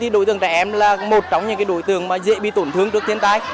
đối tượng trẻ em là một trong những đối tượng dễ bị tổn thương trước thiên tai